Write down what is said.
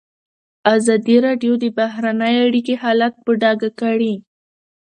ازادي راډیو د بهرنۍ اړیکې حالت په ډاګه کړی.